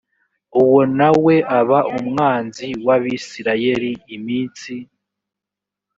uwo na we aba umwanzi w abisirayeli iminsi